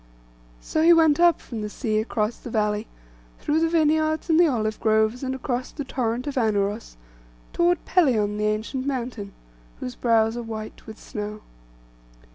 So he went up from the sea across the valley, through the vineyards and the olive groves, and across the torrent of Anauros, toward Pelion the ancient mountain, whose brows are white with snow.